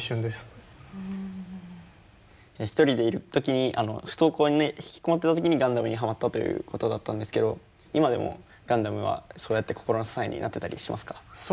一人でいる時に不登校で引きこもっていた時に「ガンダム」にハマったということだったんですけど今でも「ガンダム」はそうやって心の支えになってたりしますか？